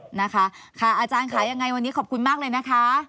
อเจมส์อเจมส์อค่ะอาจารย์ขายังไงวันนี้ขอบคุณมากเลยนะคะ